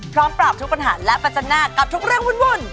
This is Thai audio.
พร้อมปราบทุกปัญหาและประจันหน้ากับทุกเรื่องวุ่น